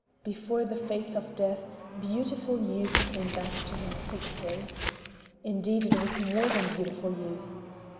Before the face of death, beautiful Youth came back to him physically. Indeed, it was more than beautiful Youth.